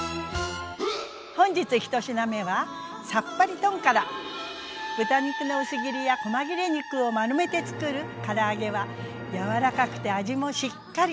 本日１品目は豚肉の薄切りやこま切れ肉を丸めてつくるから揚げは柔らかくて味もしっかり。